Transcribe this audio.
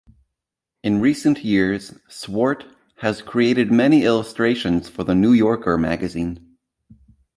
In recent years, Swarte has created many illustrations for the "New Yorker" magazine.